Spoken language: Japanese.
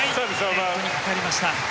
ネットにかかりました。